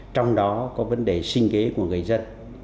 trong đó có vấn đề sinh kế của người dân